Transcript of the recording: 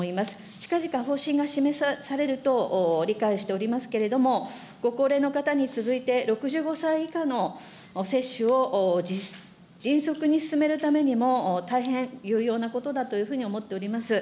近々方針が示されると理解しておりますけれども、ご高齢の方に続いて６５歳以下の接種を迅速に進めるためにも、大変有用なことだというふうに思っております。